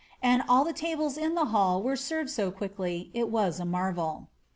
^ And all the tables in the hall were served so quickly it was a marvel."